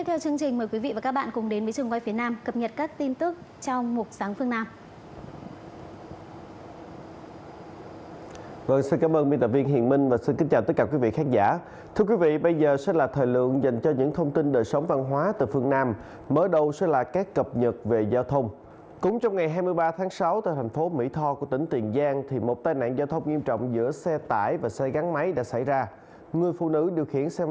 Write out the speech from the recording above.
tiếp theo chương trình mời quý vị và các bạn cùng đến với trường quay phía nam cập nhật các tin tức trong một sáng phương nam